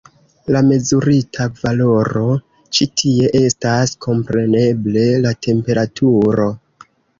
La mezurita valoro ĉi tie estas, kompreneble, la temperaturo.